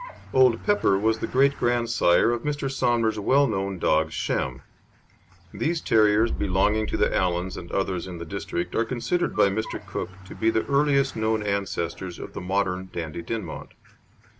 Old Pepper was the great grandsire of Mr. Somner's well known dog Shem. These terriers belonging to the Allans and others in the district are considered by Mr. Cook to be the earliest known ancestors of the modern Dandie Dinmont.